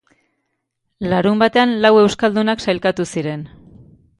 Larunbatean lau euskaldunak sailkatu ziren.